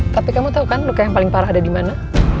tapi kamu tahu kan luka yang paling parah ada di mana